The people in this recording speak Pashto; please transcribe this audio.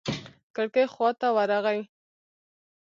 کړکۍ خوا ته ورغى.